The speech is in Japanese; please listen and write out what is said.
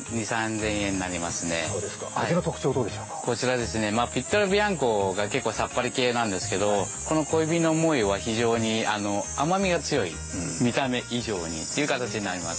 こちらピッテロ・ビアンコが結構、さっぱり系なんですけど、小指の想いは非常に甘みが強い見た目以上にということになります。